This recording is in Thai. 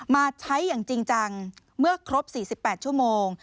มาใช้อย่างจริงจังเมื่อครบ๔๘ชั่วโมง